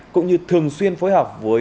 cũng như thường xuyên phối hợp với